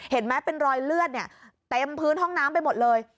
เห็นไหมเป็นรอยเลือดเนี่ยเต็มพื้นห้องน้ำไปหมดเลย